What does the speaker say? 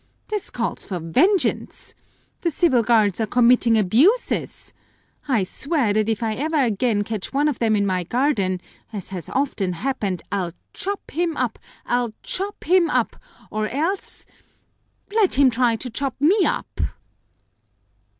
This calls for vengeance! The civil guards are committing abuses! I swear that if I ever again catch one of them in my garden, as has often happened, I'll chop him up, I'll chop him up, or else let him try to chop me up!"